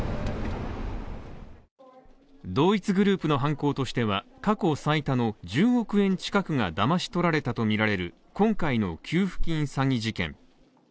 同一グループの犯行としては、過去最多の１０億円近くがだまし取られたとみられる今回の給付金詐欺事件。